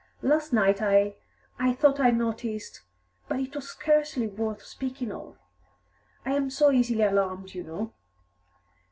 Last night I I thought I noticed but it was scarcely worth speaking of; I am so easily alarmed, you know."